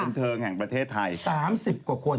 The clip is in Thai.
พี่หนิงมาบ่อยนะคะชอบเห็นมั้ยดูมีสาระหน่อย